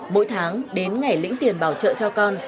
mỗi tháng đến ngày lĩnh tiền bảo trợ cho con